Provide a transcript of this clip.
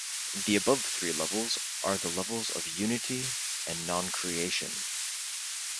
The above three levels are the levels of Unity and non-creation.